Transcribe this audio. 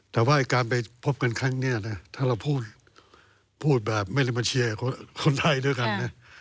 แต่ว่าการไปพบกันครั้งนี้นะถ้าเราพูดแบบไม่ได้มาเชียร์คนไทยด้วยกันนะ